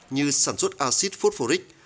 như sản xuất acid phốt phổ rích